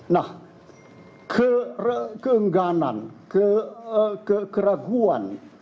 nah keengganan keraguan